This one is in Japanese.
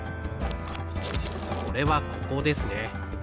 それはここですね。